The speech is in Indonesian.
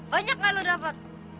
banyak tidak kamu dapat